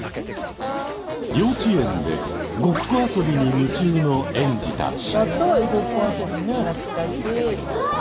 幼稚園でごっこ遊びに夢中の園児たち。